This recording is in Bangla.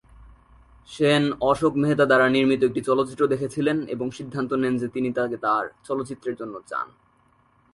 সেন অশোক মেহতা দ্বারা নির্মিত একটি চলচ্চিত্র দেখেছিলেন এবং সিদ্ধান্ত নেন যে তিনি তাকে তাঁর চলচ্চিত্রের জন্য চান।